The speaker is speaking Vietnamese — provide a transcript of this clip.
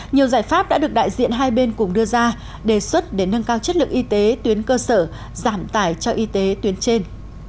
nhiều giải pháp đã được đại diện hai bên cùng đưa ra đề xuất để nâng cao chất lượng y tế tuyến cơ sở giảm tải cho y tế tuyến trên